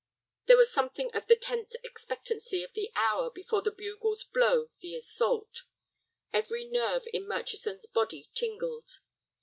There was something of the tense expectancy of the hour before the bugles blow the assault. Every nerve in Murchison's body tingled.